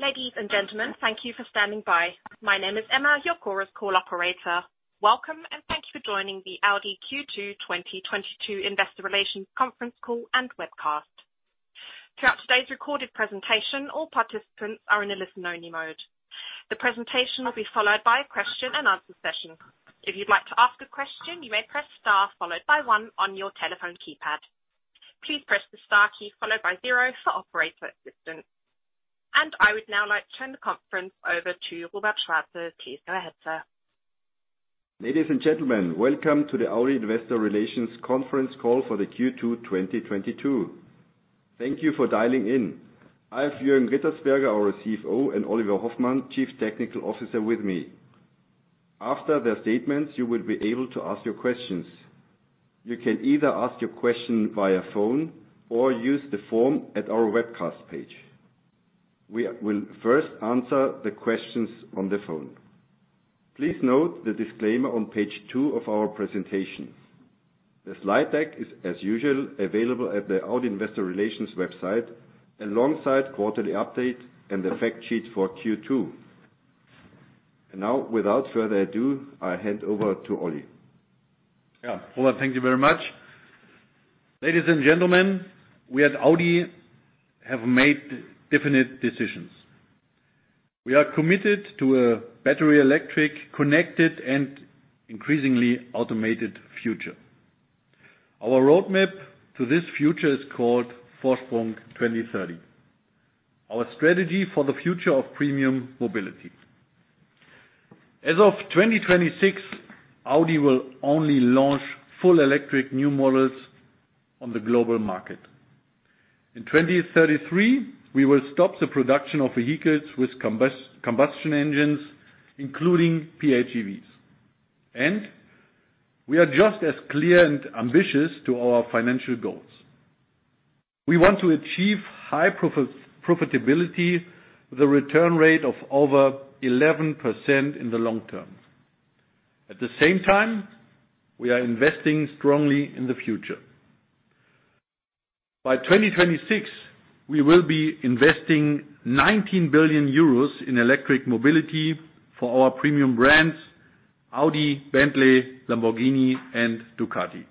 Ladies and gentlemen, thank you for standing by. My name is Emma, your Chorus Call operator. Welcome, and thank you for joining the Audi Q2 2022 Investor Relations Conference Call and Webcast. Throughout today's recorded presentation, all participants are in a listen-only mode. The presentation will be followed by a question and answer session. If you'd like to ask a question, you may press star followed by one on your telephone keypad. Please press the star key followed by zero for operator assistance. I would now like to turn the conference over to Robert Schwarzl. Please go ahead, sir. Ladies and gentlemen, welcome to the Audi Investor Relations’ Conference Call for the Q2 2022. Thank you for dialing in. I have Jürgen Rittersberger, our CFO, and Oliver Hoffmann, Chief Technical Officer, with me. After their statements, you will be able to ask your questions. You can either ask your question via phone or use the form at our webcast page. We will first answer the questions on the phone. Please note the disclaimer on page two of our presentation. The slide deck is as usual available at the Audi Investor Relations website alongside quarterly update and the fact sheet for Q2. Now, without further ado, I hand over to Oli. Yeah. Robert, thank you very much. Ladies and gentlemen, we at Audi have made definite decisions. We are committed to a battery electric, connected, and increasingly automated future. Our roadmap to this future is called Vorsprung 2030, our strategy for the future of premium mobility. As of 2026, Audi will only launch full electric new models on the global market. In 2033, we will stop the production of vehicles with combustion engines, including PHEVs. We are just as clear and ambitious to our financial goals. We want to achieve high profitability with a return rate of over 11% in the long term. At the same time, we are investing strongly in the future. By 2026, we will be investing 19 billion euros in electric mobility for our premium brands Audi, Bentley, Lamborghini, and Ducati.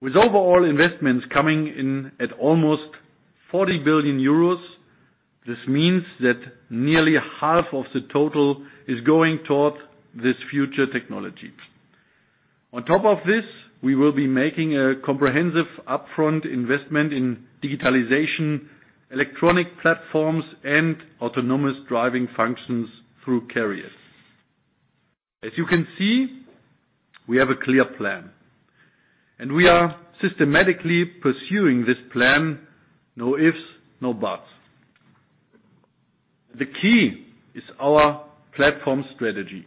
With overall investments coming in at almost 40 billion euros, this means that nearly half of the total is going toward this future technology. On top of this, we will be making a comprehensive upfront investment in digitalization, electronic platforms, and autonomous driving functions through CARIAD. As you can see, we have a clear plan, and we are systematically pursuing this plan, no ifs, no buts. The key is our platform strategy.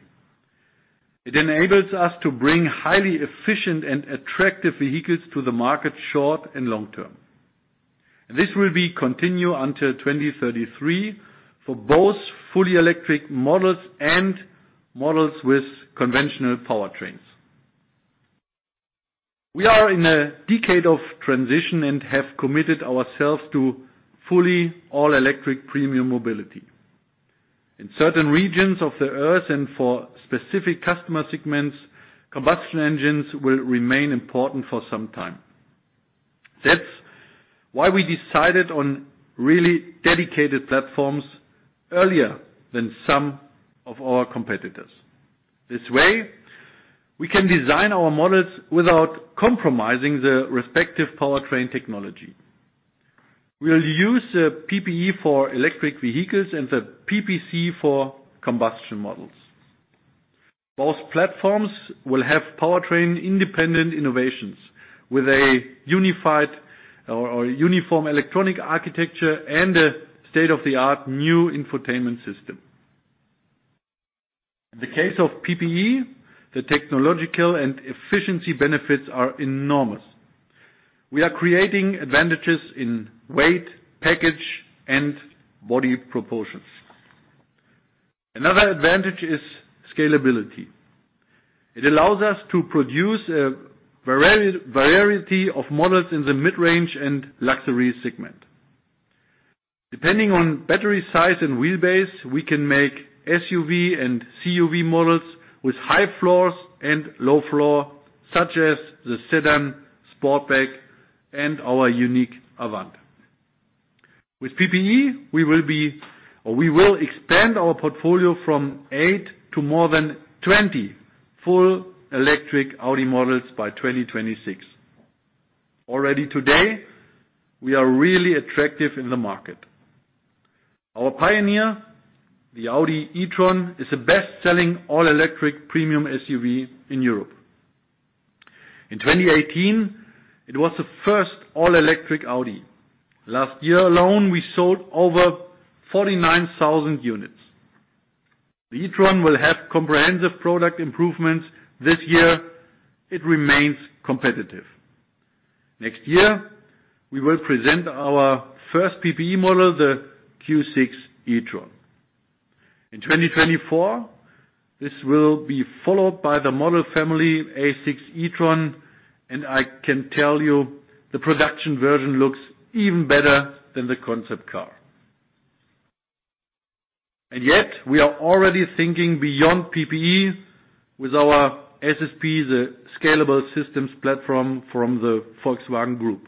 It enables us to bring highly efficient and attractive vehicles to the market, short and long term. This will be continued until 2033 for both fully electric models and models with conventional powertrains. We are in a decade of transition and have committed ourselves to fully all electric premium mobility. In certain regions of the earth and for specific customer segments, combustion engines will remain important for some time. That's why we decided on really dedicated platforms earlier than some of our competitors. This way, we can design our models without compromising the respective powertrain technology. We'll use the PPE for electric vehicles and the PPC for combustion models. Both platforms will have powertrain independent innovations with a unified or uniform electronic architecture and a state-of-the-art new infotainment system. In the case of PPE, the technological and efficiency benefits are enormous. We are creating advantages in weight, package, and body proportions. Another advantage is scalability. It allows us to produce a variety of models in the mid-range and luxury segment. Depending on battery size and wheelbase, we can make SUV and CUV models with high floors and low floor, such as the sedan, Sportback, and our unique Avant. With PPE, we will be—we will expand our portfolio from eight to more than 20 full electric Audi models by 2026. Already today, we are really attractive in the market. Our pioneer, the Audi e-tron, is the best-selling all-electric premium SUV in Europe. In 2018, it was the first all-electric Audi. Last year alone, we sold over 49,000 units. The e-tron will have comprehensive product improvements this year, it remains competitive. Next year, we will present our first PPE model, the Q6 e-tron. In 2024, this will be followed by the model family A6 e-tron, and I can tell you the production version looks even better than the concept car. Yet, we are already thinking beyond PPE with our SSP, the Scalable Systems Platform from the Volkswagen Group.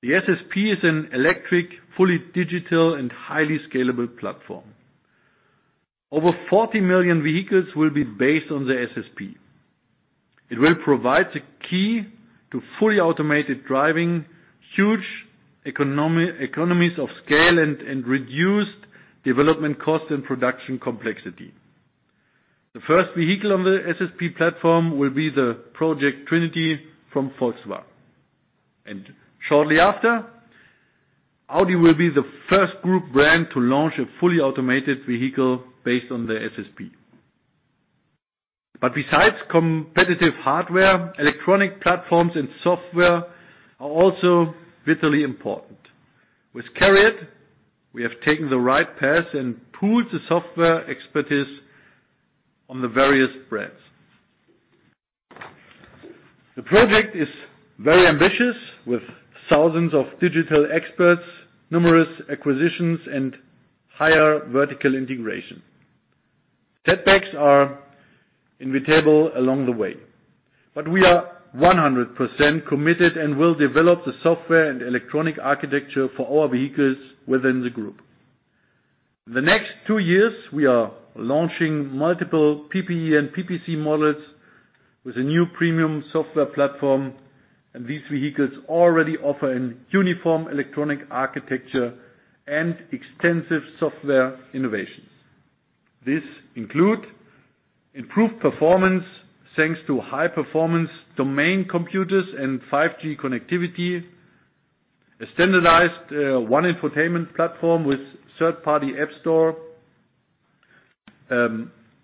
The SSP is an electric, fully digital and highly scalable platform. Over 40 million vehicles will be based on the SSP. It will provide the key to fully automated driving, huge economies of scale and reduced development costs and production complexity. The first vehicle on the SSP platform will be the Project Trinity from Volkswagen. Shortly after, Audi will be the first group brand to launch a fully automated vehicle based on the SSP. Besides competitive hardware, electronic platforms and software are also vitally important. With CARIAD, we have taken the right path and pooled the software expertise on the various brands. The project is very ambitious, with thousands of digital experts, numerous acquisitions and higher vertical integration. Setbacks are inevitable along the way, but we are 100% committed and will develop the software and electronic architecture for our vehicles within the group. The next two years, we are launching multiple PPE and PPC models with a new premium software platform, and these vehicles already offer a uniform electronic architecture and extensive software innovations. This includes improved performance, thanks to high performance domain computers and 5G connectivity, a standardized, one infotainment platform with third-party app store,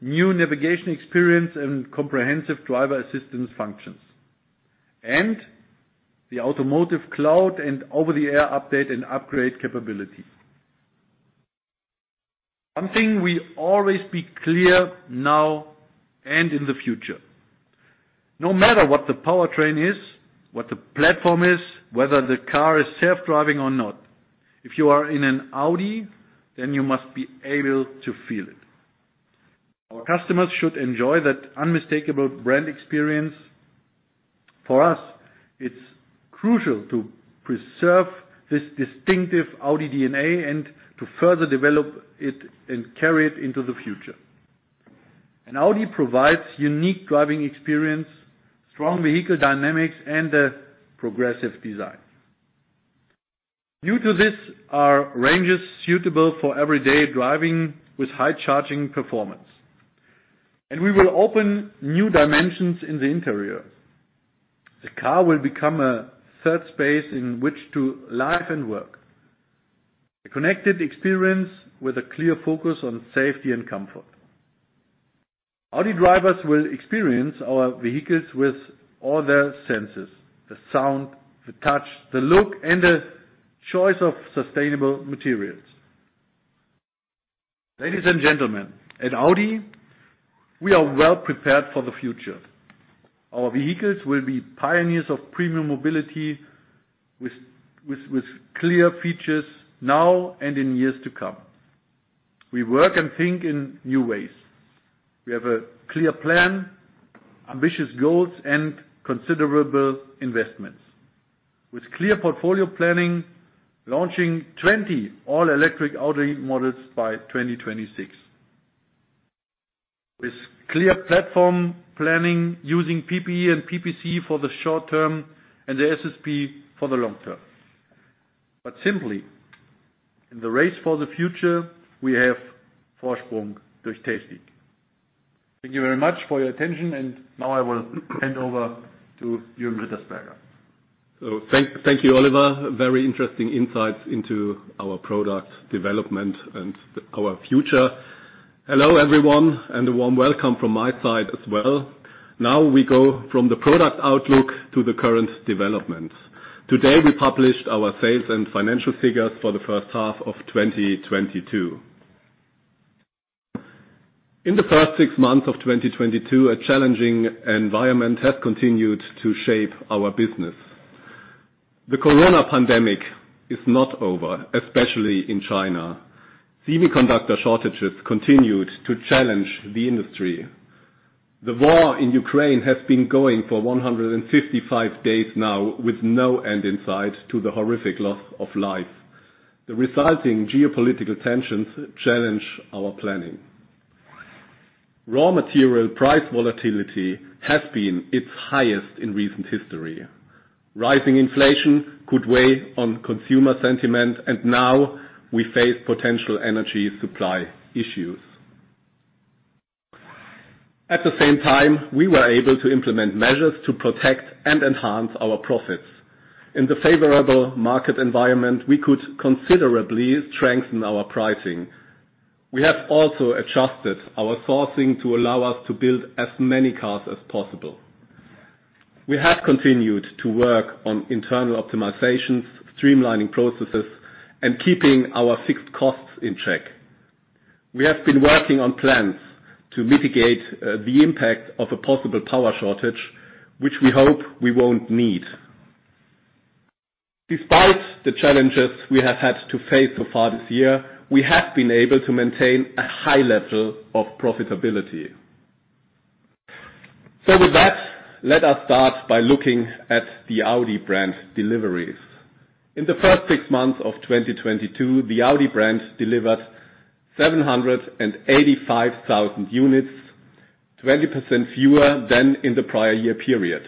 new navigation experience and comprehensive driver assistance functions, and the automotive cloud and over-the-air update and upgrade capability. One thing will always be clear now and in the future, no matter what the powertrain is, what the platform is, whether the car is self-driving or not, if you are in an Audi, then you must be able to feel it. Our customers should enjoy that unmistakable brand experience. For us, it's crucial to preserve this distinctive Audi DNA and to further develop it, and carry it into the future. Audi provides unique driving experience, strong vehicle dynamics and a progressive design. Due to this, our range is suitable for everyday driving with high charging performance. We will open new dimensions in the interior. The car will become a third space in which to live and work. A connected experience with a clear focus on safety and comfort. Audi drivers will experience our vehicles with all their senses, the sound, the touch, the look and the choice of sustainable materials. Ladies and gentlemen, at Audi, we are well prepared for the future. Our vehicles will be pioneers of premium mobility with clear features, now and in years to come. We work and think in new ways. We have a clear plan, ambitious goals, and considerable investments. With clear portfolio planning, launching 20 all-electric Audi models by 2026. With clear platform planning using PPE and PPC for the short term and the SSP for the long term. Simply, in the race for the future, we have Vorsprung durch Technik. Thank you very much for your attention, and now I will hand over to Jürgen Rittersberger. Thank you, Oliver. Very interesting insights into our product development and our future. Hello, everyone, and a warm welcome from my side as well. Now we go from the product outlook to the current developments. Today, we published our sales and financial figures for the first half of 2022. In the first six months of 2022, a challenging environment has continued to shape our business. The corona pandemic is not over, especially in China. Semiconductor shortages continued to challenge the industry. The war in Ukraine has been going for 155 days now with no end in sight to the horrific loss of life. The resulting geopolitical tensions challenge our planning. Raw material price volatility has been its highest in recent history. Rising inflation could weigh on consumer sentiment, and now we face potential energy supply issues. At the same time, we were able to implement measures to protect and enhance our profits. In the favorable market environment, we could considerably strengthen our pricing. We have also adjusted our sourcing to allow us to build as many cars as possible. We have continued to work on internal optimizations, streamlining processes, and keeping our fixed costs in check. We have been working on plans to mitigate the impact of a possible power shortage, which we hope we won't need. Despite the challenges we have had to face so far this year, we have been able to maintain a high level of profitability. With that, let us start by looking at the Audi brand deliveries. In the first six months of 2022, the Audi brand delivered 785,000 units, 20% fewer than in the prior year period.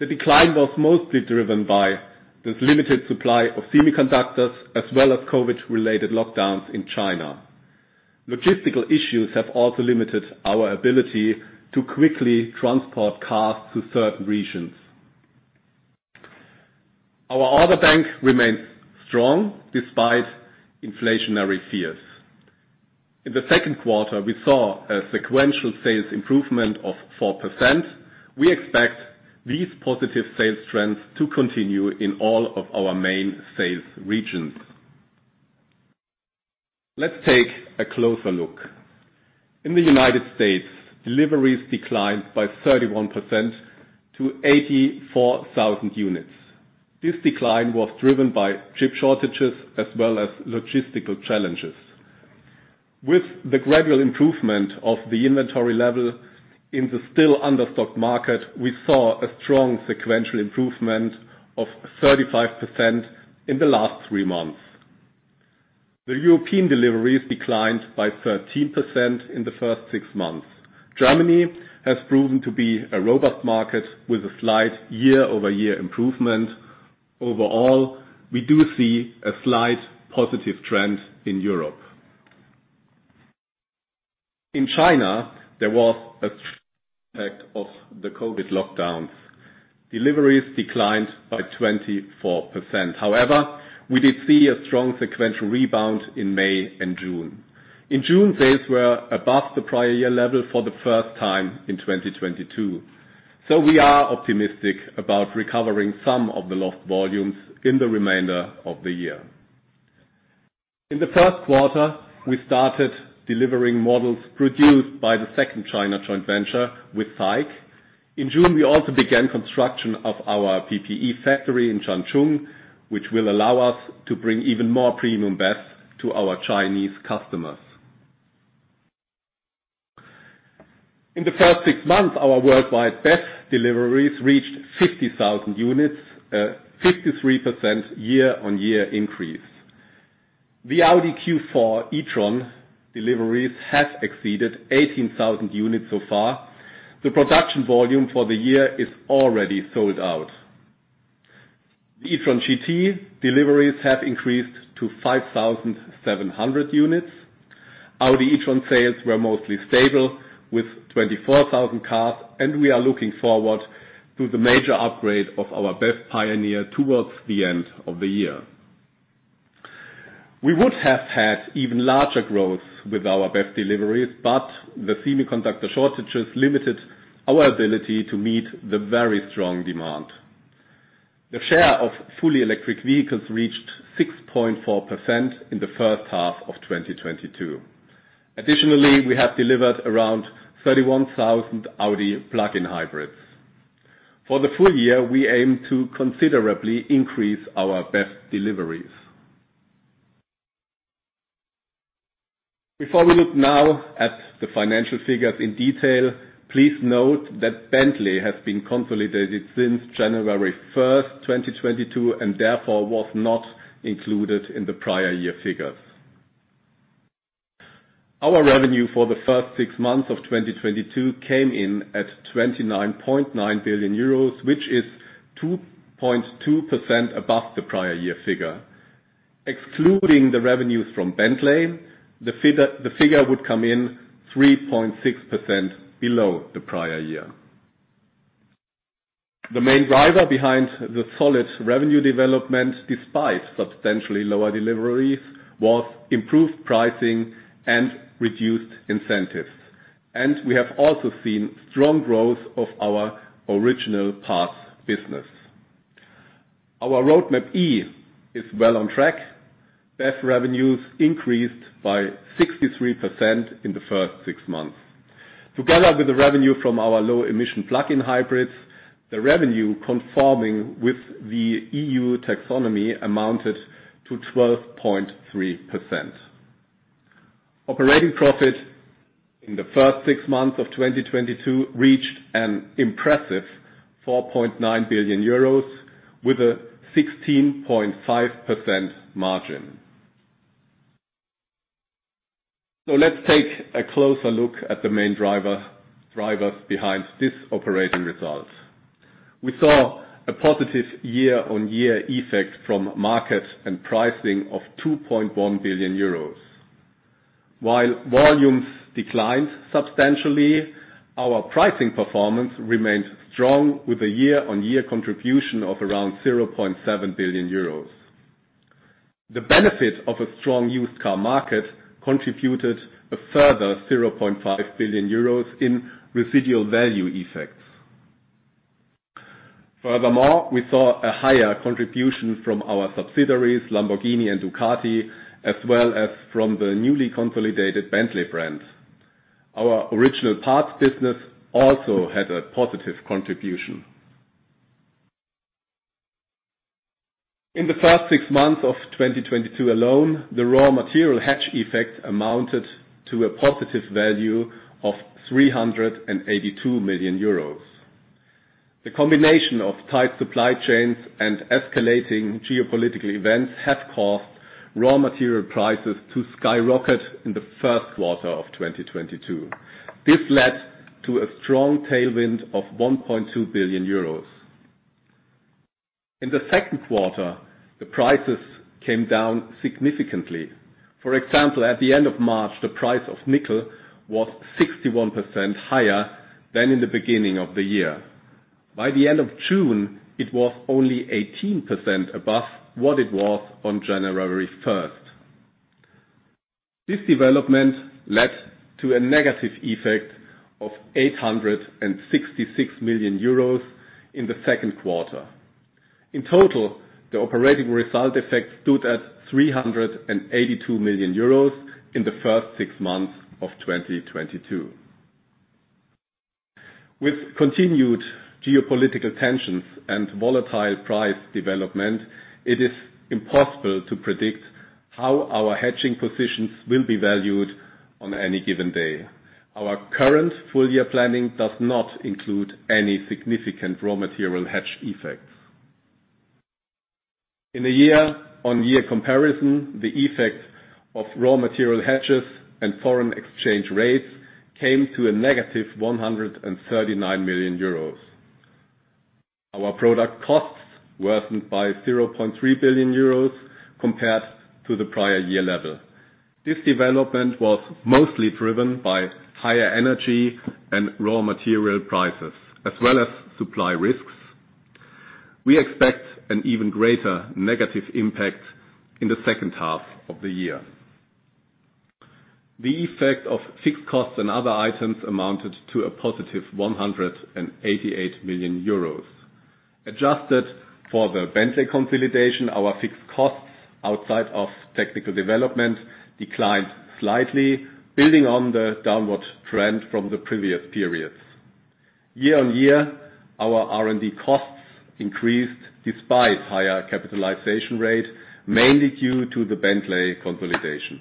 The decline was mostly driven by this limited supply of semiconductors as well as COVID-related lockdowns in China. Logistical issues have also limited our ability to quickly transport cars to certain regions. Our order bank remains strong despite inflationary fears. In the second quarter, we saw a sequential sales improvement of 4%. We expect these positive sales trends to continue in all of our main sales regions. Let's take a closer look. In the United States, deliveries declined by 31% to 84,000 units. This decline was driven by chip shortages as well as logistical challenges. With the gradual improvement of the inventory level in the still understocked market, we saw a strong sequential improvement of 35% in the last three months. The European deliveries declined by 13% in the first six months. Germany has proven to be a robust market with a slight year-over-year improvement.nOverall, we do see a slight positive trend in Europe. In China, there was an impact of the COVID lockdowns. Deliveries declined by 24%. However, we did see a strong sequential rebound in May and June. In June, sales were above the prior year level for the first time in 2022. We are optimistic about recovering some of the lost volumes in the remainder of the year. In the first quarter, we started delivering models produced by the second China joint venture with SAIC. In June, we also began construction of our PPE factory in Changchun, which will allow us to bring even more premium BEVs to our Chinese customers. In the first six months, our worldwide BEVs deliveries reached 50,000 units, a 53% year-on-year increase. The Audi Q4 e-tron deliveries have exceeded 18,000 units so far. The production volume for the year is already sold out. The e-tron GT deliveries have increased to 5,700 units. Audi e-tron sales were mostly stable with 24,000 cars, and we are looking forward to the major upgrade of our BEV pioneer towards the end of the year. We would have had even larger growth with our BEV deliveries, but the semiconductor shortages limited our ability to meet the very strong demand. The share of fully electric vehicles reached 6.4% in the first half of 2022. Additionally, we have delivered around 31,000 Audi plug-in hybrids. For the full year, we aim to considerably increase our BEV deliveries. Before we look now at the financial figures in detail, please note that Bentley has been consolidated since January 1st 2022, and therefore was not included in the prior year figures. Our revenue for the first six months of 2022 came in at 29.9 billion euros, which is 2.2% above the prior year figure. Excluding the revenues from Bentley, the figure would come in 3.6% below the prior year. The main driver behind the solid revenue development, despite substantially lower deliveries, was improved pricing and reduced incentives, and we have also seen strong growth of our original parts business. Our Roadmap E is well on track. BEV revenues increased by 63% in the first six months. Together with the revenue from our low emission plug-in hybrids, the revenue conforming with the EU taxonomy amounted to 12.3%. Operating profit in the first six months of 2022 reached an impressive 4.9 billion euros with a 16.5% margin. Let's take a closer look at the main driver, drivers behind this operating result. We saw a positive year-on-year effect from market and pricing of 2.1 billion euros. While volumes declined substantially, our pricing performance remained strong with a year-on-year contribution of around 700 million euros. The benefit of a strong used car market contributed a further 500 million euros in residual value effects. Furthermore, we saw a higher contribution from our subsidiaries, Lamborghini and Ducati, as well as from the newly consolidated Bentley brands. Our Original Parts Business also had a positive contribution. In the first six months of 2022 alone, the raw material hedge effect amounted to a positive value of 382 million euros. The combination of tight supply chains and escalating geopolitical events have caused raw material prices to skyrocket in the first quarter of 2022. This led to a strong tailwind of 1.2 billion euros. In the second quarter, the prices came down, significantly. For example, at the end of March, the price of nickel was 61% higher than in the beginning of the year. By the end of June, it was only 18% above what it was on January 1st. This development led to a negative effect of 866 million euros in the second quarter. In total, the operating result effect stood at 382 million euros in the first six months of 2022. With continued geopolitical tensions and volatile price development, it is impossible to predict how our hedging positions will be valued on any given day. Our current full year planning does not include any significant raw material hedge effects. In a year-on-year comparison, the effect of raw material hedges and foreign exchange rates came to a -139 million euros. Our product costs worsened by 300 million euros compared to the prior year level. This development was mostly driven by higher energy and raw material prices, as well as supply risks. We expect an even greater negative impact in the second half of the year. The effect of fixed costs and other items amounted to a positive 188 million euros. Adjusted for the Bentley consolidation, our fixed costs outside of technical development declined slightly, building on the downward trend from the previous periods. Year-on-year, our R&D costs increased despite higher capitalization rate, mainly due to the Bentley consolidation.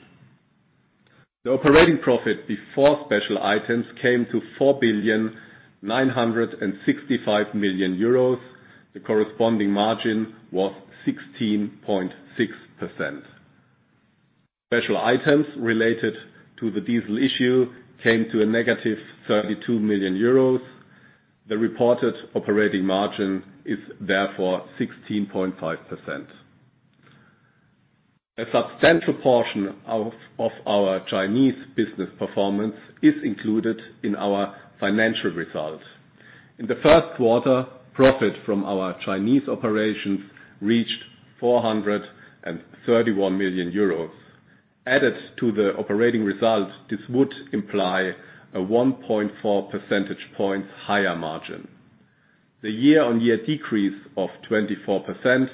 The operating profit before special items came to 4.965 billion. The corresponding margin was 16.6%. Special items related to the diesel issue came to -32 million euros. The reported operating margin is therefore 16.5%. A substantial portion of our Chinese business performance is included in our financial results. In the first quarter, profit from our Chinese operations reached 431 million euros. Added to the operating results, this would imply a 1.4 percentage points higher margin. The year-on-year decrease of 24%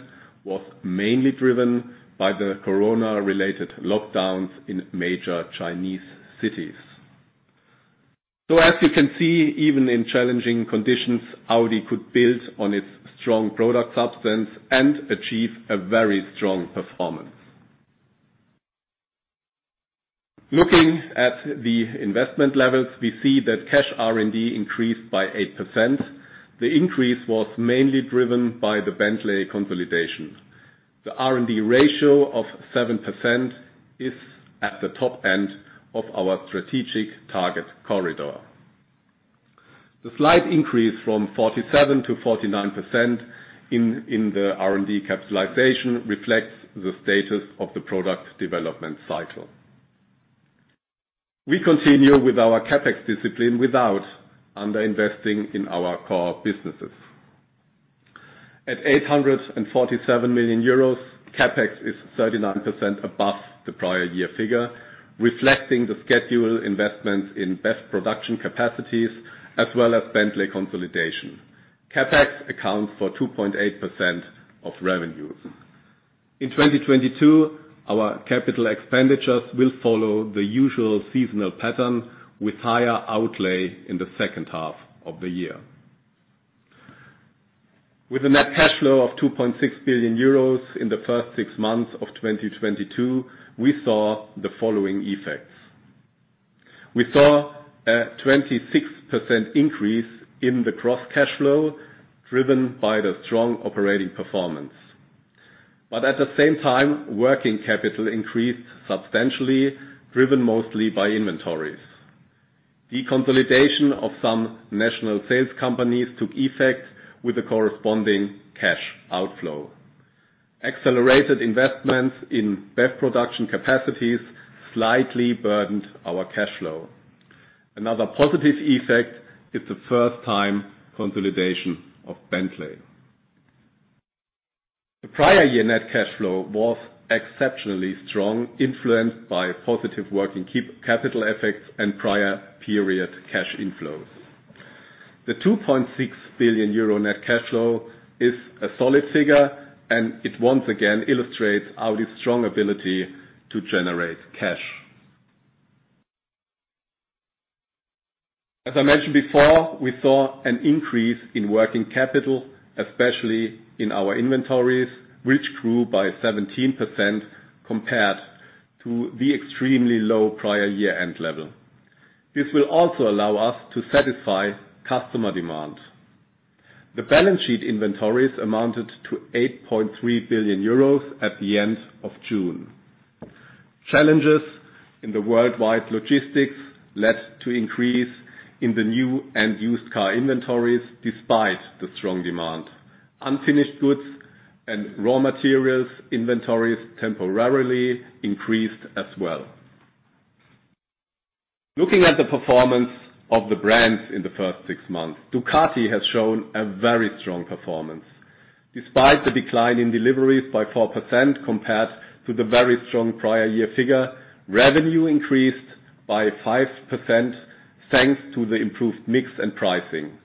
was mainly driven by the corona related lockdowns in major Chinese cities. As you can see, even in challenging conditions, Audi could build on its strong product substance and achieve a very strong performance. Looking at the investment levels, we see that cash R&D increased by 8%. The increase was mainly driven by the Bentley consolidation. The R&D ratio of 7% is at the top end of our strategic target corridor. The slight increase from 47% to 49% in the R&D capitalization reflects the status of the product development cycle. We continue with our CapEx discipline without under-investing in our core businesses. At 847 million euros, CapEx is 39% above the prior year figure, reflecting the scheduled investments in best production capacities as well as Bentley consolidation. CapEx accounts for 2.8% of revenues. In 2022, our capital expenditures will follow the usual seasonal pattern with higher outlay in the second half of the year. With a net cash flow of 2.6 billion euros in the first six months of 2022, we saw the following effects. We saw a 26% increase in the gross cash flow driven by the strong operating performance. At the same time, working capital increased substantially, driven mostly by inventories. The consolidation of some national sales companies took effect with a corresponding cash outflow. Accelerated investments in BEV production capacities slightly burdened our cash flow. Another positive effect is the first time consolidation of Bentley. The prior year net cash flow was exceptionally strong, influenced by positive working capital effects and prior period cash inflows. The 2.6 billion euro net cash flow is a solid figure, and it once again illustrates Audi's strong ability to generate cash. As I mentioned before, we saw an increase in working capital, especially in our inventories, which grew by 17% compared to the extremely low prior year-end level. This will also allow us to satisfy customer demands. The balance sheet inventories amounted to 8.3 billion euros at the end of June. Challenges in the worldwide logistics led to increase in the new and used car inventories despite the strong demand. Unfinished goods and raw materials inventories temporarily increased as well. Looking at the performance of the brands in the first six months, Ducati has shown a very strong performance. Despite the decline in deliveries by 4% compared to the very strong prior year figure, revenue increased by 5%, thanks to the improved mix and pricing.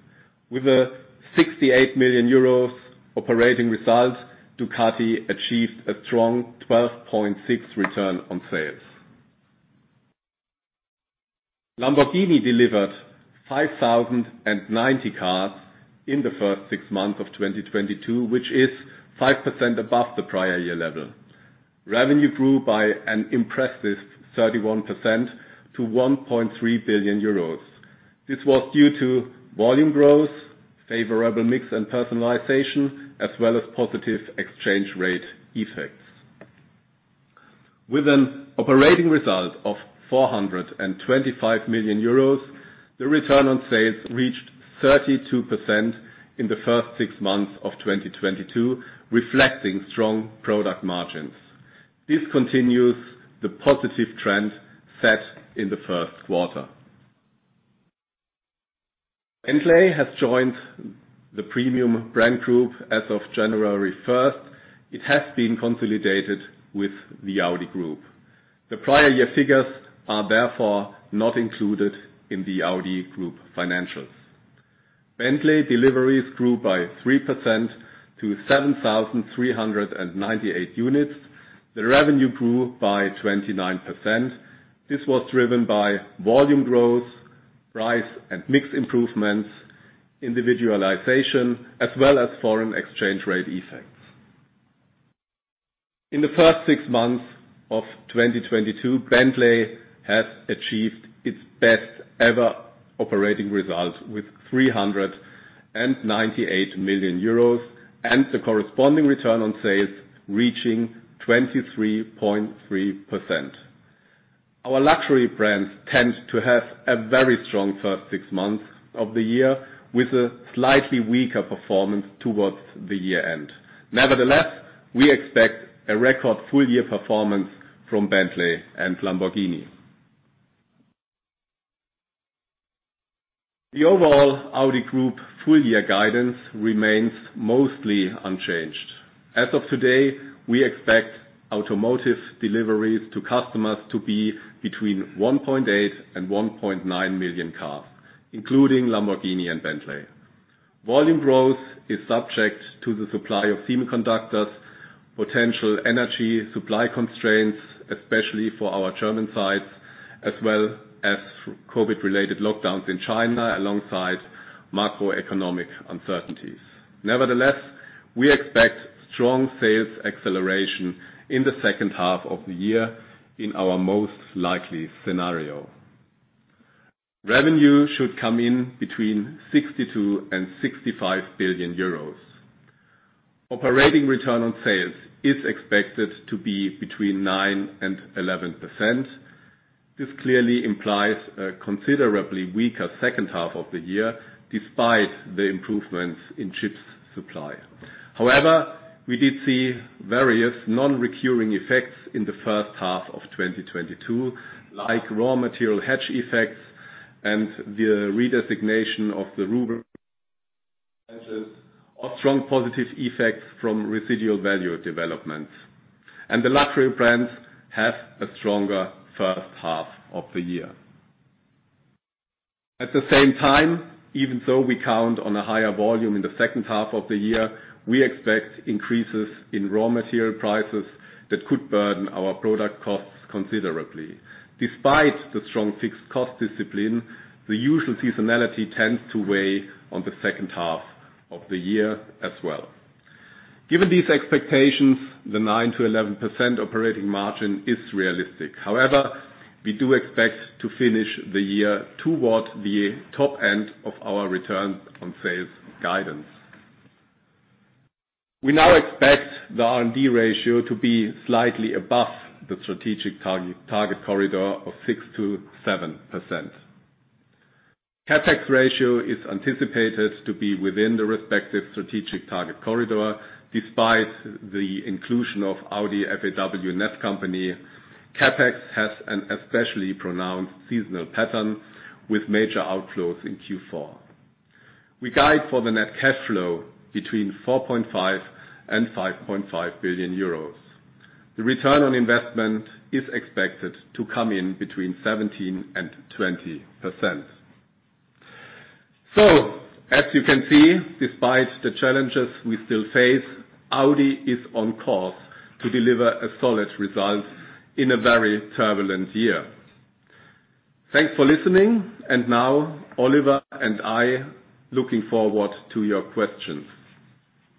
With a 68 million euros operating results, Ducati achieved a strong 12.6 return on sales. Lamborghini delivered 5,090 cars in the first six months of 2022, which is 5% above the prior year level. Revenue grew by an impressive 31% to 1.3 billion euros. This was due to volume growth, favorable mix and personalization, as well as positive exchange rate effects. With an operating result of 425 million euros, the return on sales reached 32% in the first six months of 2022, reflecting strong product margins. This continues the positive trend set in the first quarter. Bentley has joined the Premium Brand Group as of January 1st. It has been consolidated with the Audi Group. The prior year figures are therefore not included in the Audi Group financials. Bentley deliveries grew by 3% to 7,398 units. The revenue grew by 29%. This was driven by volume growth, price and mix improvements, individualization, as well as foreign exchange rate effects. In the first six months of 2022, Bentley has achieved its best ever operating results with 398 million euros, and the corresponding return on sales reaching 23.3%. Our luxury brands tend to have a very strong first six months of the year with a slightly weaker performance towards the year-end. Nevertheless, we expect a record full year performance from Bentley and Lamborghini. The overall Audi Group full year guidance remains mostly unchanged. As of today, we expect automotive deliveries to customers to be between 1.8 and 1.9 million cars, including Lamborghini and Bentley. Volume growth is subject to the supply of semiconductors, potential energy supply constraints, especially for our German sites, as well as COVID related lockdowns in China, alongside macroeconomic uncertainties. Nevertheless, we expect strong sales acceleration in the second half of the year in our most likely scenario. Revenue should come in between 62 billion and 65 billion euros. Operating return on sales is expected to be between 9% and 11%. This clearly implies a considerably weaker second half of the year despite the improvements in chip supply. However, we did see various non-recurring effects in the first half of 2022, like raw material hedge effects and the redesignation of the ruble, or strong positive effects from residual value developments. The luxury brands have a stronger first half of the year. At the same time, even though we count on a higher volume in the second half of the year, we expect increases in raw material prices that could burden our product costs considerably. Despite the strong fixed cost discipline, the usual seasonality tends to weigh on the second half of the year as well. Given these expectations, the 9%-11% operating margin is realistic. However, we do expect to finish the year toward the top end of our return on sales guidance. We now expect the R&D ratio to be slightly above the strategic target corridor of 6%-7%. CapEx ratio is anticipated to be within the respective strategic target corridor, despite the inclusion of Audi FAW NEV Company. CapEx has an especially pronounced seasonal pattern with major outflows in Q4. We guide for the net cash flow between 4.5 billion and 5.5 billion euros. The return on investment is expected to come in between 17% and 20%. As you can see, despite the challenges we still face, Audi is on course to deliver a solid result in a very turbulent year. Thanks for listening. Now Oliver and I looking forward to your questions.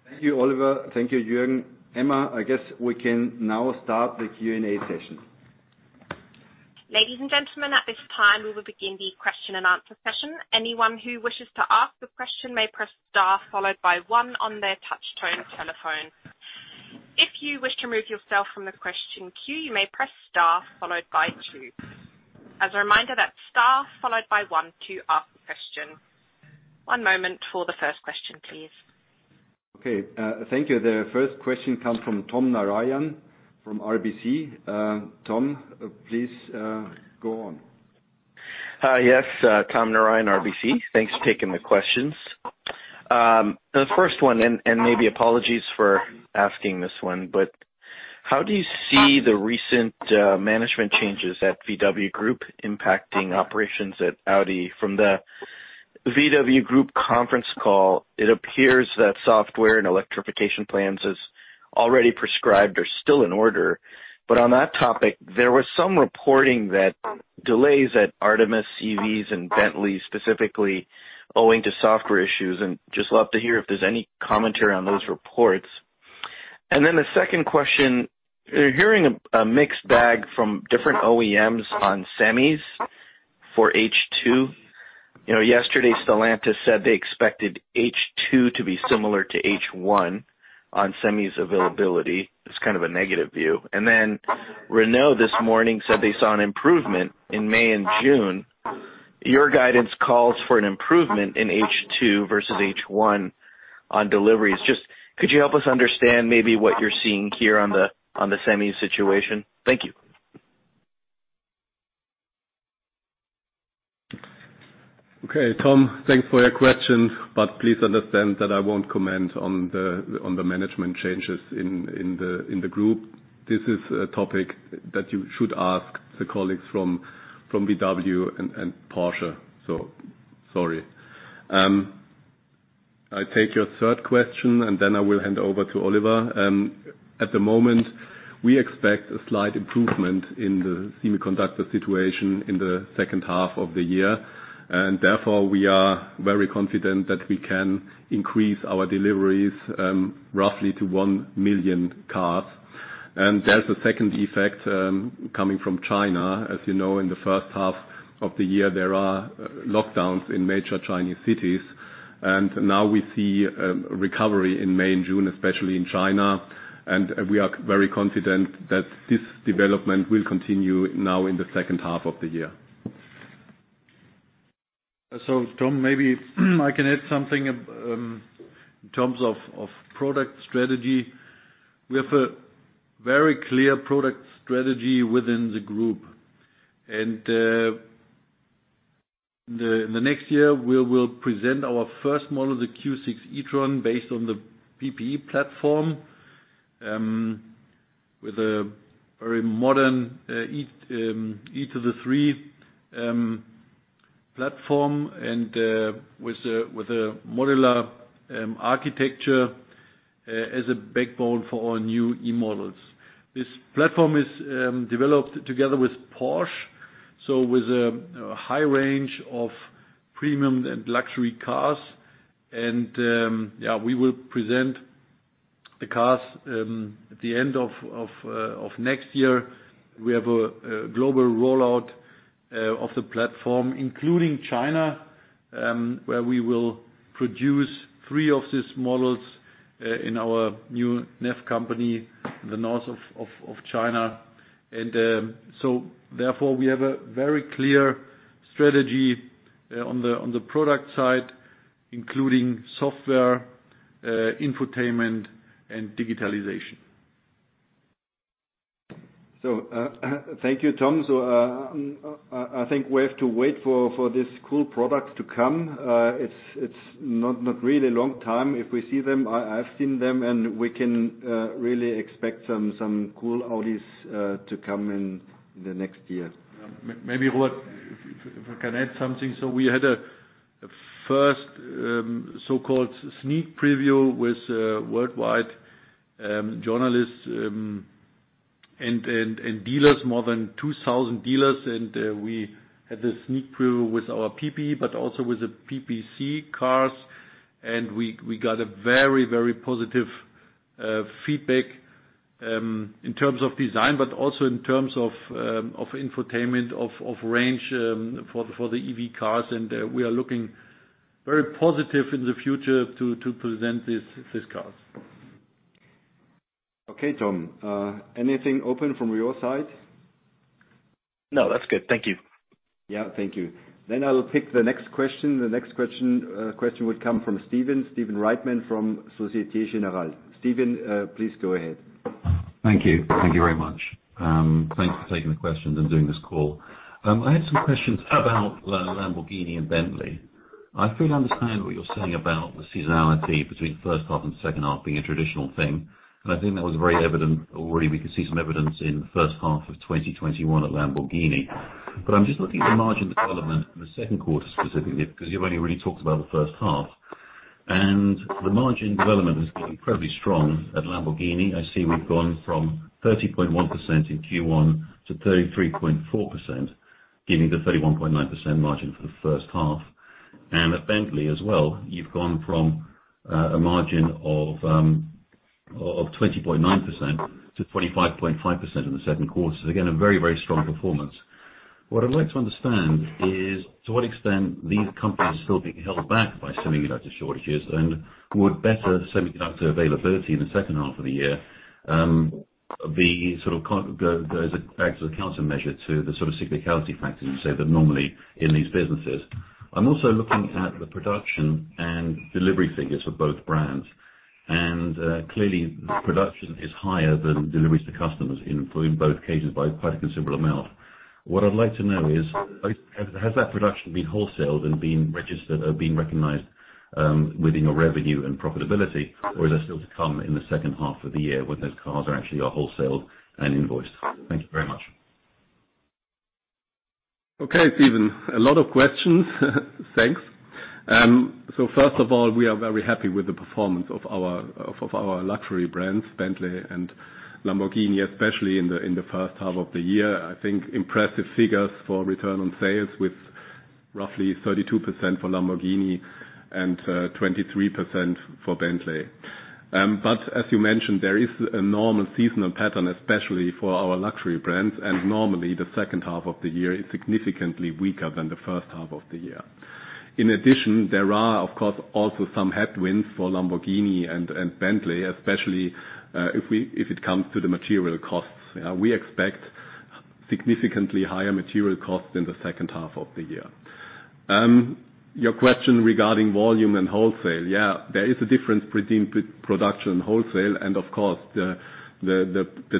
Thank you, Oliver. Thank you, Jürgen. Emma, I guess we can now start the Q&A session. Ladies and gentlemen, at this time, we will begin the question and answer session. Anyone who wishes to ask a question may press star followed by one on their touch-tone telephone. If you wish to remove yourself from the question queue, you may press star followed by two. As a reminder, that's star followed by one to ask a question. One moment for the first question, please. Okay, thank you. The first question comes from Tom Narayan from RBC. Tom, please, go on. Hi. Yes, Tom Narayan, RBC. Thanks for taking the questions. The first one, and maybe apologies for asking this one, but how do you see the recent management changes at VW Group impacting operations at Audi? From the VW Group conference call, it appears that software and electrification plans as already prescribed are still in order. On that topic, there was some reporting that delays at Artemis, EVs, and Bentley, specifically owing to software issues, and just love to hear if there's any commentary on those reports. Then the second question, you're hearing a mixed bag from different OEMs on semis for H2. You know, yesterday Stellantis said they expected H2 to be similar to H1 on semis availability. It's kind of a negative view. Renault this morning said they saw an improvement in May and June. Your guidance calls for an improvement in H2 versus H1 on deliveries. Just could you help us understand maybe what you're seeing here on the semi situation? Thank you. Okay, Tom, thanks for your question, but please understand that I won't comment on the management changes in the group. This is a topic that you should ask the colleagues from VW and Porsche. Sorry. I take your third question, and then I will hand over to Oliver. At the moment, we expect a slight improvement in the semiconductor situation in the second half of the year, and therefore, we are very confident that we can increase our deliveries, roughly to one million cars. There's a second effect coming from China. As you know, in the first half of the year, there are lockdowns in major Chinese cities, and now we see recovery in May and June, especially in China. We are very confident that this development will continue now in the second half of the year. Tom, maybe I can add something in terms of product strategy. We have a very clear product strategy within the group. The next year, we will present our first model, the Q6 e-tron, based on the PPE platform, with a very modern E³ platform and with a modular architecture as a backbone for our new E models. This platform is developed together with Porsche, so with a high range of premium and luxury cars. We will present the cars at the end of next year. We have a global rollout of the platform, including China, where we will produce three of these models in our new NEV company in the north of China. Therefore, we have a very clear strategy on the product side, including software, infotainment, and digitalization. Thank you, Tom. I think we have to wait for this cool product to come. It's not really long time. If we see them, I've seen them, and we can really expect some cool Audis to come in the next year. Maybe, Robert, if we can add something. We had a first so-called, sneak preview with worldwide journalists and dealers, more than 2,000 dealers. We had this sneak preview with our PPE, but also with the PPC cars. We got a very positive feedback in terms of design, but also in terms of infotainment, of range for the EV cars. We are looking very positive in the future to present these cars. Okay, Tom. Anything open from your side? No, that's good. Thank you. Yeah, thank you. I'll pick the next question. The next question would come from Stephen Reitman from Société Générale. Stephen, please go ahead. Thank you. Thank you very much. Thanks for taking the questions and doing this call. I had some questions about Lamborghini and Bentley. I fully understand what you're saying about the seasonality between first half and second half being a traditional thing, and I think that was very evident. Already, we could see some evidence in the first half of 2021 at Lamborghini. I'm just looking at the margin development in the second quarter, specifically, because you've only really talked about the first half. The margin development has been incredibly strong at Lamborghini. I see we've gone from 30.1% in Q1 to 33.4%, giving the 31.9% margin for the first half. At Bentley as well, you've gone from a margin of 20.9% to 25.5% in the second quarter. So again, a very, very strong performance. What I'd like to understand is, to what extent these companies are still being held back by semiconductor shortages, and would better semiconductor availability in the second half of the year be sort of as a countermeasure to the sort of cyclicality factors you say that are normally in these businesses. I'm also looking at the production and delivery figures for both brands, and clearly, the production is higher than deliveries to customers in both cases by quite a considerable amount. What I'd like to know is, has that production been wholesaled and been registered or been recognized within your revenue and profitability? Is that still to come in the second half of the year when those cars are actually wholesaled and invoiced? Thank you very much. Okay, Stephen. A lot of questions. Thanks. So first of all, we are very happy with the performance of our luxury brands, Bentley and Lamborghini, especially in the first half of the year. I think impressive figures for return on sales with roughly 32% for Lamborghini and 23% for Bentley. But as you mentioned, there is a normal seasonal pattern, especially for our luxury brands. Normally, the second half of the year is significantly weaker than the first half of the year. In addition, there are, of course, also some headwinds for Lamborghini and Bentley, especially if it comes to the material costs. We expect significantly higher material costs in the second half of the year. Your question regarding volume and wholesale, yeah, there is a difference between production and wholesale, and of course, the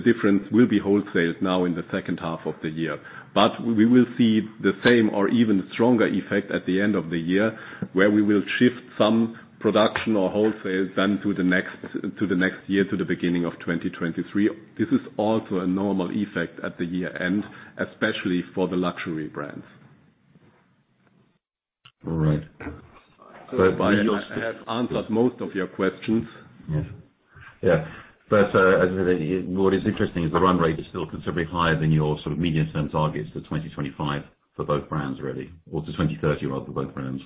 difference will be wholesale now in the second half of the year. But we will see the same or even stronger effect at the end of the year, where we will shift some production or wholesale then to the next year, to the beginning of 2023. This is also a normal effect at the year-end, especially for the luxury brands. All right. I have answered most of your questions. Yeah. As I say, what is interesting is the run rate is still considerably higher than your sort of medium-term targets for 2025 for both brands, really, or to 2030, rather, for both brands.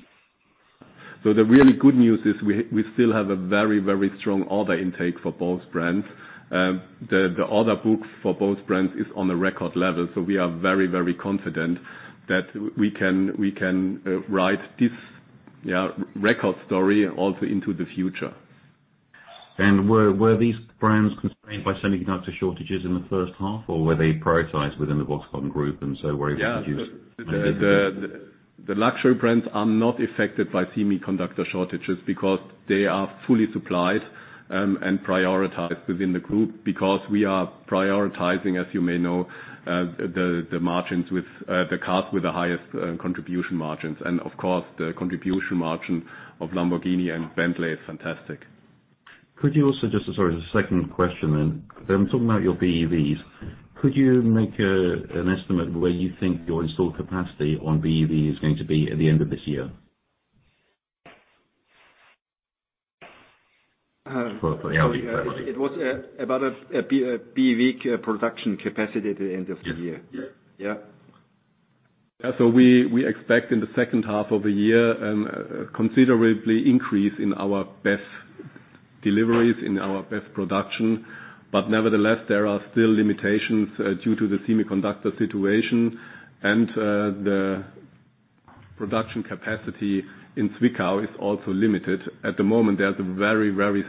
The really good news is we still have a very, very strong order intake for both brands. The order book for both brands is on a record level. We are very, very confident that we can write this record story also into the future. Were these brands constrained by semiconductor shortages in the first half, or were they prioritized within the Volkswagen Group and so were able to produce? Yeah. Maybe more? The luxury brands are not affected by semiconductor shortages because they are fully supplied and prioritized within the group because we are prioritizing, as you may know, the margins with the cars with the highest contribution margins. Of course, the contribution margin of Lamborghini and Bentley is fantastic. Could you also, as a second question then, talking about your BEVs, could you make an estimate of where you think your installed capacity on BEV is going to be at the end of this year? Uh. Sorry for- It was about a BEV co-production capacity at the end of the year. Yeah. Yeah. Yeah. We expect in the second half of the year a considerable increase in our BEV deliveries, in our BEV production. But nevertheless, there are still limitations due to the semiconductor situation. The production capacity in Zwickau is also limited. At the moment, there's a very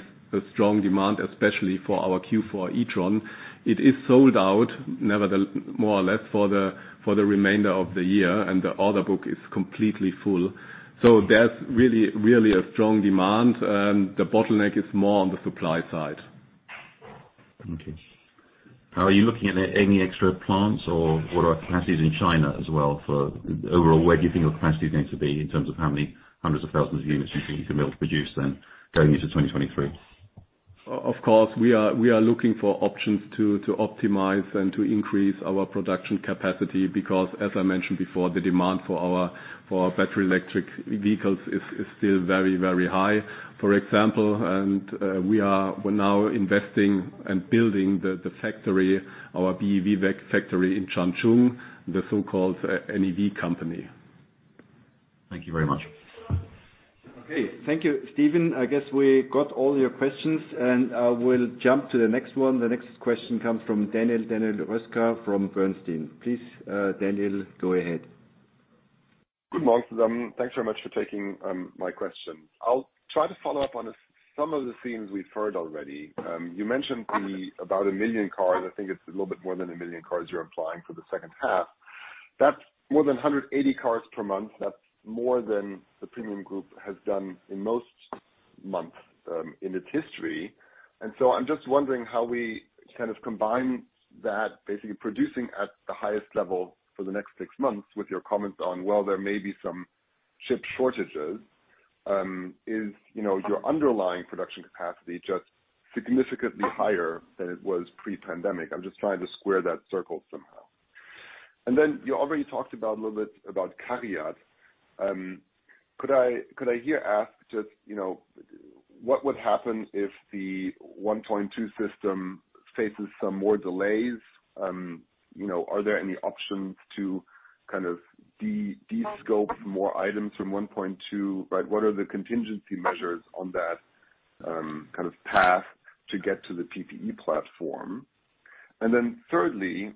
strong demand, especially for our Q4 e-tron. It is sold out, more or less for the remainder of the year, and the order book is completely full. There's really a strong demand, and the bottleneck is more on the supply side. Okay. Are you looking at any extra plants, or what are capacities in China as well. Overall, where do you think your capacity is going to be in terms of how many hundreds of thousands of units you think you can be able to produce then going into 2023? Of course, we are looking for options to optimize and to increase our production capacity because as I mentioned before, the demand for our battery electric vehicles is still very high. For example, we are now investing and building the factory, our BEV factory in Changchun, the so-called NEV company. Thank you very much. Okay. Thank you, Stephen. I guess we got all your questions, and I will jump to the next one. The next question comes from Daniel Röska from Bernstein. Please, Daniel, go ahead. Good morning to them. Thanks very much for taking my question. I'll try to follow up on some of the themes we've heard already. You mentioned about a million cars. I think it's a little bit more than 1 million cars you're implying for the second half. That's more than 180 cars per month. That's more than the premium group has done in most months in its history. I'm just wondering how we kind of combine that, basically producing at the highest level for the next six months with your comments on, "Well, there may be some chip shortages." Is, you know, your underlying production capacity just significantly higher than it was pre-pandemic? I'm just trying to square that circle somehow. Then you already talked about a little bit about CARIAD. Could I here ask just, you know, what would happen if the 1.2 system faces some more delays? You know, are there any options to kind of de-scope more items from 1.2, right? What are the contingency measures on that, kind of path to get to the PPE platform? Then thirdly,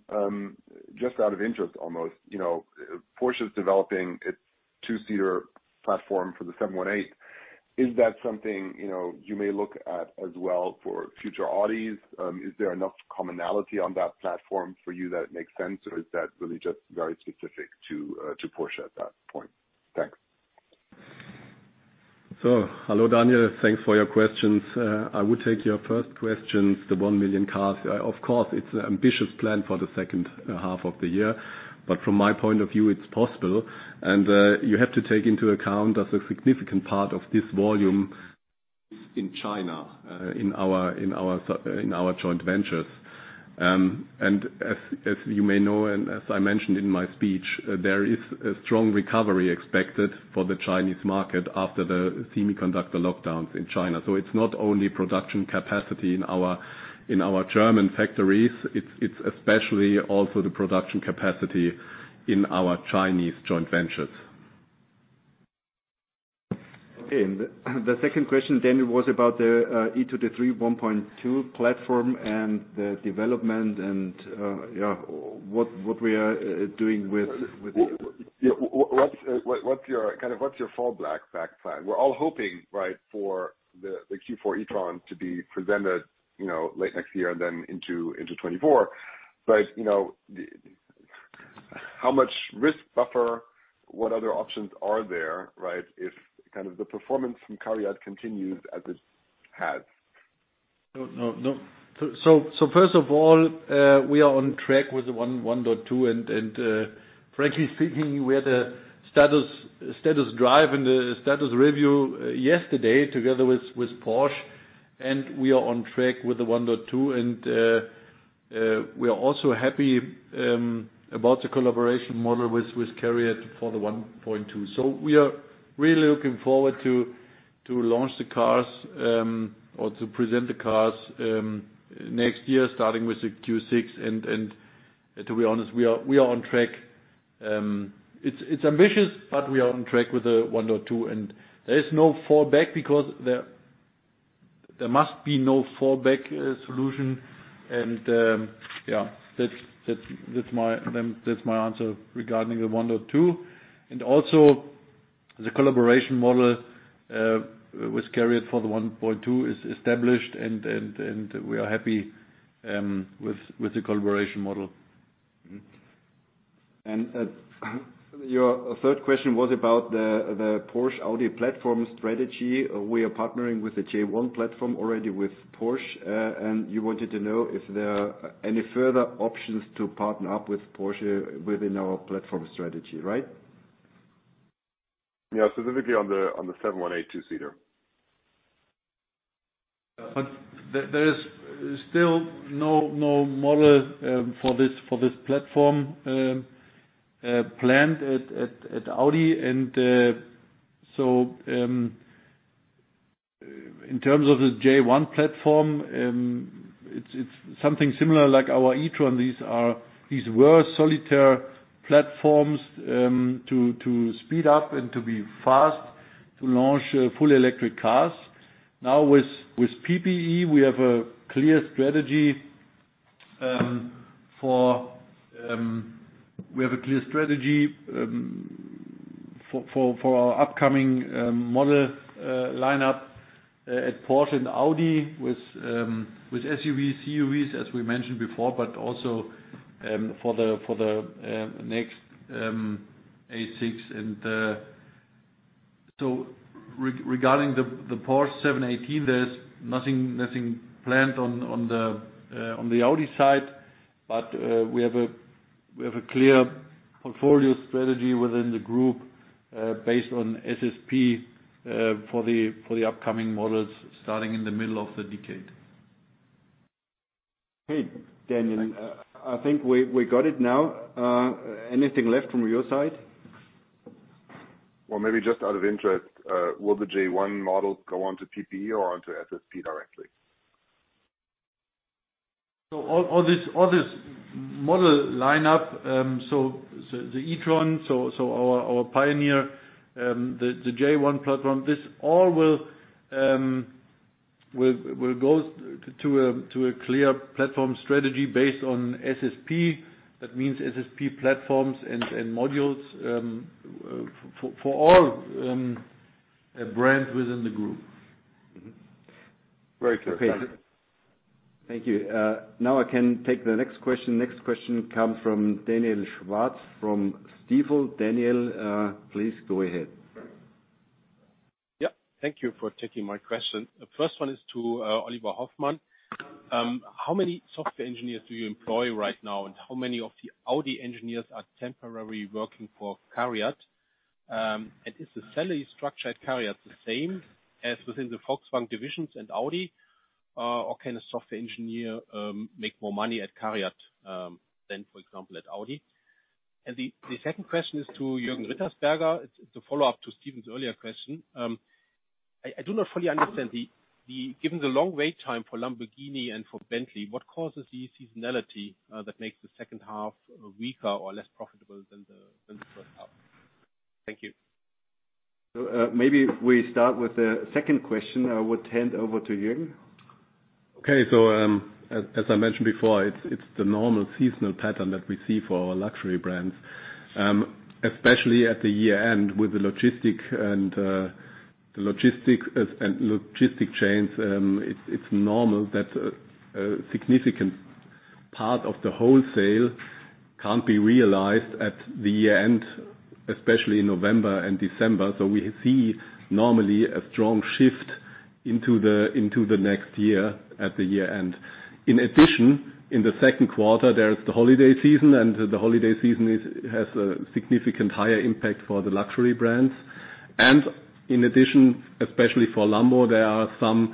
just out of interest almost, you know, Porsche is developing its two-seater platform for the 718. Is that something, you know, you may look at as well for future Audis? Is there enough commonality on that platform for you that it makes sense, or is that really just very specific to Porsche at that point? Thanks. Hello, Daniel. Thanks for your questions. I would take your first questions, the one million cars. Of course, it's an ambitious plan for the second half of the year, but from my point of view, it's possible. You have to take into account that a significant part of this volume is in China, in our joint ventures. As you may know, and as I mentioned in my speech, there is a strong recovery expected for the Chinese market after the semiconductor lockdowns in China. It's not only production capacity in our German factories. It's especially also the production capacity in our Chinese joint ventures. Okay. The second question was about the E³ 1.2 platform and the development and yeah, what we are doing with the—what’s your fallback plan? We're all hoping, right, for the Q4 e-tron to be presented, you know, late next year and then into 2024. You know, how much risk buffer, what other options are there, right, if kind of the performance from CARIAD continues as it has? No. First of all, we are on track with the 1.2. Frankly speaking, we had a status drive and a status review yesterday together with Porsche, and we are on track with the 1.2. We are also happy about the collaboration model with CARIAD for the 1.2. We are really looking forward to launch the cars or to present the cars next year, starting with the Q6. To be honest, we are on track. It's ambitious, but we are on track with the E³ 1.2. There is no fallback because there must be no fallback solution. That's my answer regarding the E³ 1.2. Also the collaboration model with CARIAD for the E³ 1.2 is established and we are happy with the collaboration model. Your third question was about the Porsche Audi platform strategy. We are partnering with the J1 platform already with Porsche, and you wanted to know if there are any further options to partner up with Porsche within our platform strategy, right? Yeah. Specifically on the 718 two-seater. There is still no model for this platform planned at Audi. In terms of the J1 platform, it's something similar like our e-tron. These were solitary platforms to speed up and to be fast, to launch fully electric cars. Now, with PPE, we have a clear strategy for our upcoming model lineup at Porsche and Audi with SUVs, CUVs, as we mentioned before, but also for the next A6. Regarding the Porsche 718, there's nothing planned on the Audi side. We have a clear portfolio strategy within the group, based on SSP, for the upcoming models starting in the middle of the decade. Okay, Daniel. Thanks. I think we got it now. Anything left from your side? Well, maybe just out of interest, will the J1 platform go on to PPE or onto SSP directly? All this model lineup, the e-tron, our pioneer, the J1 platform, this all will go to a clear platform strategy based on SSP. That means SSP platforms and modules for all brands within the group. Mm-hmm. Very clear. Okay. Thank you. Now I can take the next question. Next question come from Daniel Schwarz from Stifel. Daniel, please go ahead. Yeah. Thank you for taking my question. The first one is to Oliver Hoffmann. How many software engineers do you employ right now, and how many of the Audi engineers are temporarily working for CARIAD? And is the salary structure at CARIAD the same as within the Volkswagen divisions and Audi, or can a software engineer make more money at CARIAD than, for example, at Audi? The second question is to Jürgen Rittersberger. It is a follow-up to Stephen’s earlier question. I do not fully understand. Given the long wait time for Lamborghini and for Bentley, what causes the seasonality that makes the second half weaker or less profitable than the first half? Thank you. Maybe we start with the second question. I would hand over to Jürgen. As I mentioned before, it's the normal seasonal pattern that we see for our luxury brands. Especially at the year-end with the logistics and logistics chains, it's normal that a significant part of the wholesale can't be realized at the year-end, especially in November and December. We see normally, a strong shift into the next year at the year-end. In addition, in the second quarter, there is the holiday season, and the holiday season has a significantly higher impact for the luxury brands. In addition, especially for Lambo, there are some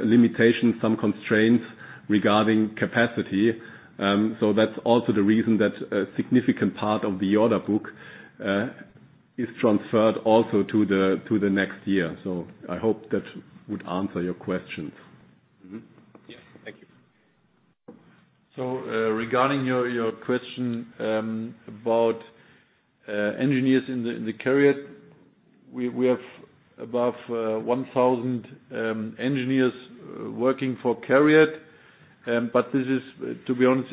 limitations, some constraints regarding capacity. That's also the reason that a significant part of the order bank is transferred also to the next year. I hope that would answer your questions. Yes. Thank you. Regarding your question about engineers in the CARIAD, we have above 1,000 engineers working for CARIAD. This is, to be honest,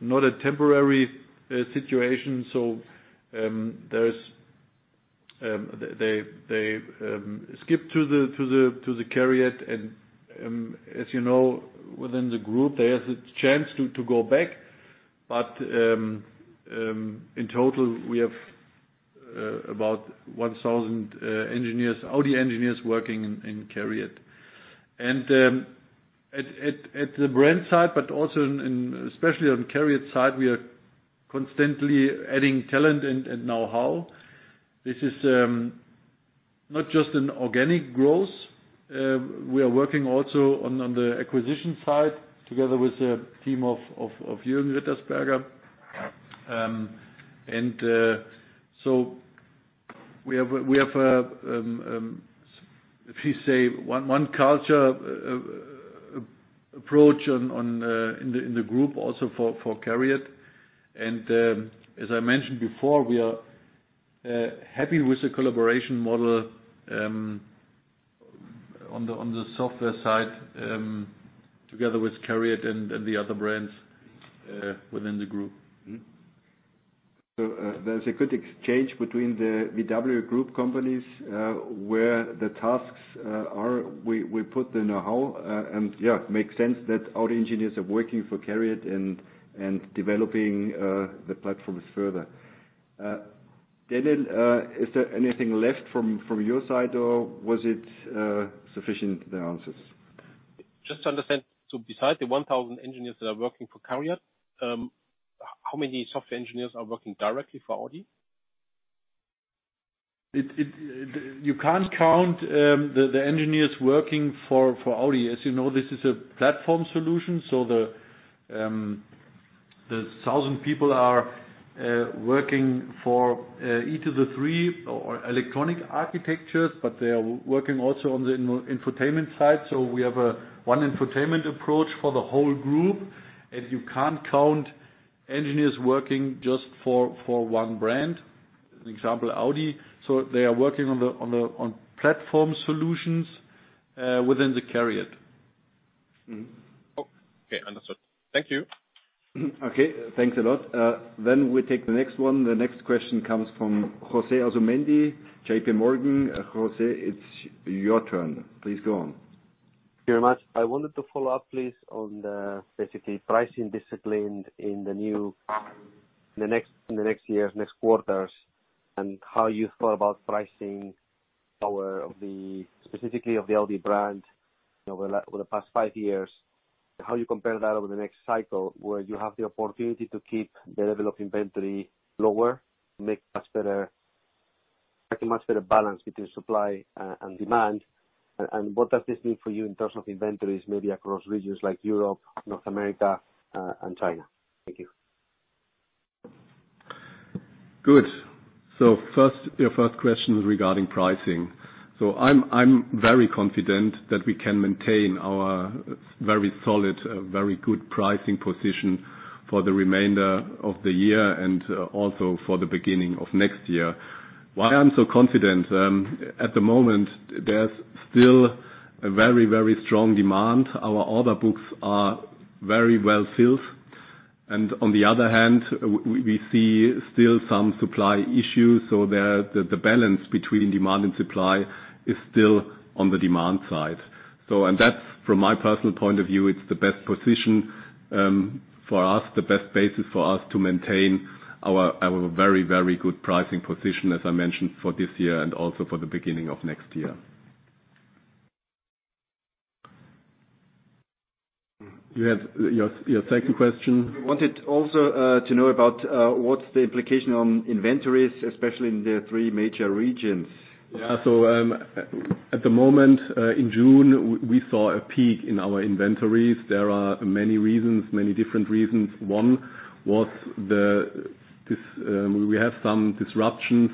not a temporary situation. They stick to the CARIAD and, as you know, within the group, there is a chance to go back. In total, we have about 1,000 engineers, Audi engineers working in CARIAD. At the brand side, but also especially on CARIAD side, we are constantly adding talent and know-how. This is not just an organic growth. We are working also on the acquisition side together with a team of Jürgen Rittersberger. We have, if you say, one culture approach in the group also for CARIAD. As I mentioned before, we are happy with the collaboration model on the software side together with CARIAD and the other brands within the group. Mm-hmm. There's a good exchange between the VW Group companies, where the tasks are. We put the know-how, and yeah, it makes sense that our engineers are working for CARIAD and developing the platforms further. Daniel, is there anything left from your side, or was it sufficient, the answers? Just to understand. Besides the 1,000 engineers that are working for CARIAD, how many software engineers are working directly for Audi? You can't count the engineers working for Audi. As you know, this is a platform solution, so the 1,000 people are working for E³ or electronic architectures, but they are working also on the infotainment side. We have one infotainment approach for the whole group, and you can't count engineers working just for one brand, as an example, Audi. They are working on platform solutions within the CARIAD. Oh, okay. Understood. Thank you. Okay. Thanks a lot. We take the next one. The next question comes from José Asumendi, JPMorgan. José, it's your turn. Please go on. Thank you very much. I wanted to follow up, please, on basically pricing discipline in the next years, next quarters, and how you thought about pricing power of the, specifically of the Audi brand over the past five years. How you compare that over the next cycle, where you have the opportunity to keep the level of inventory lower, make a much better balance between supply and demand. What does this mean for you in terms of inventories, maybe across regions like Europe, North America and China? Thank you. Good. First, your first question is regarding pricing. I'm very confident that we can maintain our very solid, very good pricing position for the remainder of the year and also for the beginning of next year. Why I'm so confident? At the moment, there's still a very, very strong demand. Our order books are very well filled. On the other hand, we see still some supply issues. The balance between demand and supply is still on the demand side. That's from my personal point of view, it's the best position for us, the best basis for us to maintain our very, very good pricing position as I mentioned for this year and also for the beginning of next year. You have your second question? We wanted also to know about what's the implication on inventories, especially in the three major regions. At the moment, in June, we saw a peak in our inventories. There are many reasons, many different reasons. One was this, we have some disruptions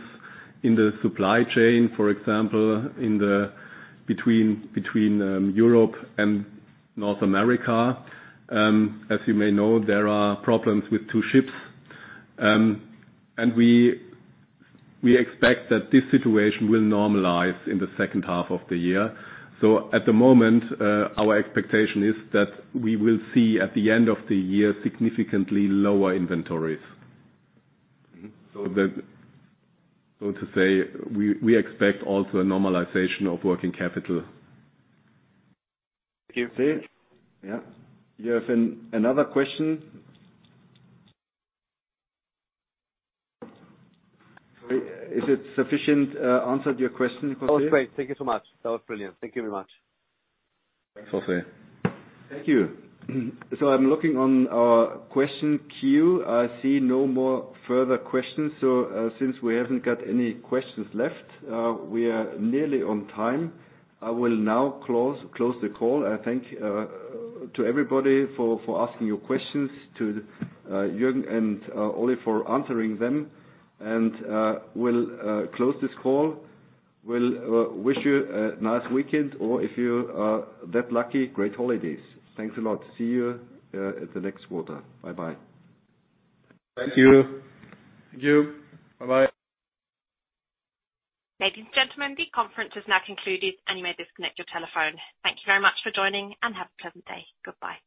in the supply chain, for example, between Europe and North America. As you may know, there are problems with two ships. We expect that this situation will normalize in the second half of the year. At the moment, our expectation is that we will see at the end of the year significantly lower inventories. To say, we expect also a normalization of working capital. Thank you. Yeah. You have another question? Is it sufficient, answered your question, José? That was great. Thank you so much. That was brilliant. Thank you very much. Thanks, José. Thank you. I'm looking on our question queue. I see no more further questions. Since we haven't got any questions left, we are nearly on time. I will now close the call. Thanks to everybody for asking your questions. To Jürgen and Oliver, answering them. We'll close this call. We'll wish you a nice weekend or if you are that lucky, great holidays. Thanks a lot. See you at the next quarter. Bye-bye. Thank you. Thank you. Bye-bye. Ladies and gentlemen, the conference is now concluded and you may disconnect your telephone. Thank you very much for joining, and have a pleasant day. Goodbye.